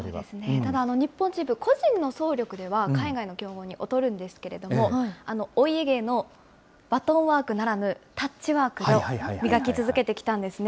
ただ、日本チーム、個人の走力では海外の強豪に劣るんですけれども、お家芸のバトンワークならぬ、タッチワークを磨き続けてきたんですね。